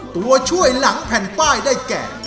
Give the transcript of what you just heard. ตัวช่วยหลังแผ่นป้ายได้แก่